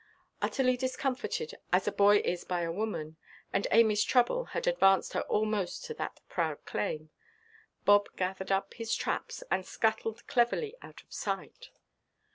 Utterly discomfited, as a boy is by a woman—and Amyʼs trouble had advanced her almost to that proud claim—Bob gathered up his traps and scuttled cleverly out of sight.